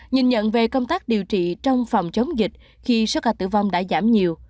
nhìn nhận về công tác điều trị trong phòng chống dịch khi số ca tử vong đã giảm nhiều